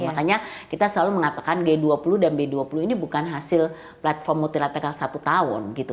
makanya kita selalu mengatakan g dua puluh dan b dua puluh ini bukan hasil platform multilatekal satu tahun gitu